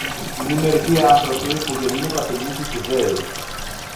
Είναι μερικοί άνθρωποι που γεννιούνται ταπεινοί και χυδαίοι.